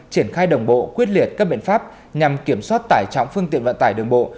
triển khai đồng bộ quyết liệt các biện pháp nhằm kiểm soát tải trọng phương tiện vận tải đường bộ